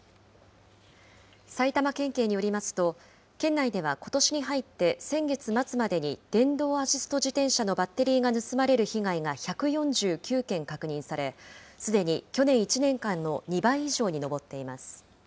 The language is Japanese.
埼玉県警によりますと、県内ではことしに入って、先月末までに電動アシスト自転車のバッテリーが盗まれる被害が１４９件確認され、すでに去年１年間の２倍以上に上っています。